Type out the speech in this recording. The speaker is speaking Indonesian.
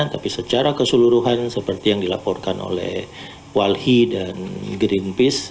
tapi secara keseluruhan seperti yang dilaporkan oleh walhi dan greenpeace